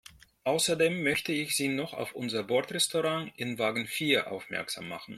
Außerdem möchte ich Sie noch auf unser Bordrestaurant in Wagen vier aufmerksam machen.